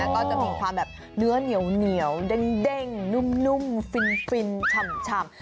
ก็จะมีความแบบเนื้อเหนียวเด้งนุ่มฟินฉ่ำ